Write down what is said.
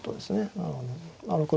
なるほど。